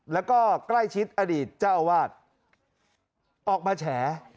แล้วก็ใกล้ชิดอดีตเจ้าอาวาสออกมาแฉ